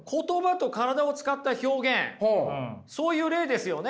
そういう例ですよね。